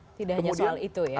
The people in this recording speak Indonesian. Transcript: tidak hanya soal itu ya